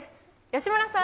吉村さん。